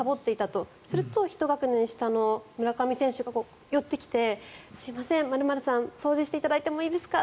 そうすると１学年下の村上選手が寄ってきてすいません、○○さん掃除していただいてもいいですか？